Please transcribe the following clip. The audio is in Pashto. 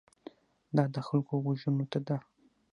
دا د خلکو غوږونو ته ده.